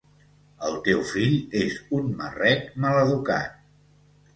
El teu fill és un marrec maleducat.